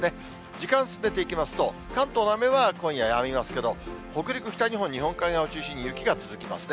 時間進めていきますと、関東の雨は今夜やみますけれども、北陸、北日本、日本海側を中心に雪が続きますね。